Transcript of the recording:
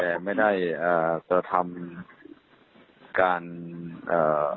แต่ไม่ได้อ่ากระทำการอ่า